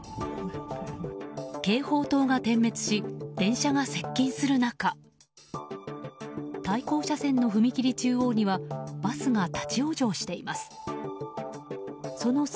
警報等が点滅し電車が接近する中対向車線の踏切中央にはバスが立ち往生しています。